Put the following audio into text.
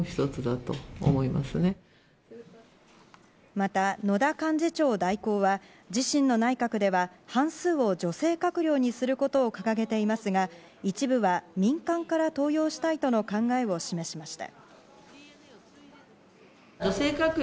また、野田幹事長代行は自身の内閣では半数を女性閣僚にすることを掲げていますが一部は民間から登用したいとの考えを示しました。